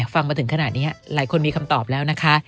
ฟังมาถึงขนาดนี้หลายคนมีคำตอบแล้วนะคะ